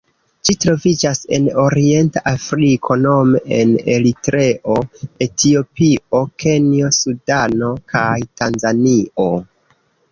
Ĝi troviĝas en Orienta Afriko nome en Eritreo, Etiopio, Kenjo, Sudano kaj Tanzanio.